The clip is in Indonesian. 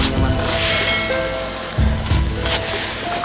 yang juga menyemangkan aku